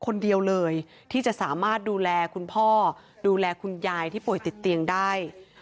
คนเดียวเลยที่จะสามารถดูแลคุณพ่อดูแลคุณยายที่ป่วยติดเตียงได้